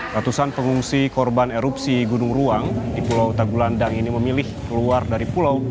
ratusan pengungsi korban erupsi gunung ruang di pulau tagulandang ini memilih keluar dari pulau